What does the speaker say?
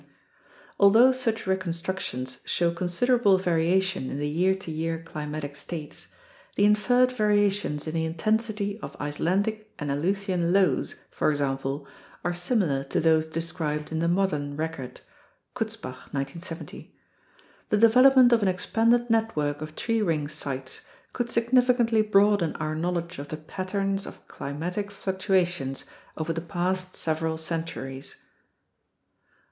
Although such reconstructions show considerable varia tion in the year to year climatic states, the inferred variations in the intensity of Icelandic and Aleutian lows, for example, are similar to those described in the modern record (Kutzbach, 1970). The develop ment of an expanded network of tree ring sites could significantly broaden our knowledge of the patterns of climatic fluctuations over the past several centuries.